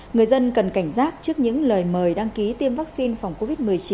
người dân cần cảnh giác trước những lời mời đăng ký tiêm vaccine phòng covid một mươi chín